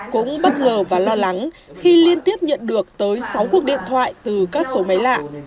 cũng bất ngờ và lo lắng khi liên tiếp nhận được tới sáu cuộc điện thoại từ các số máy lạ